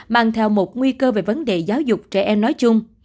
mang theo một nguy cơ về vấn đề giáo dục trẻ em nói chung